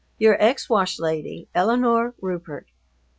Your ex washlady, ELINORE RUPERT.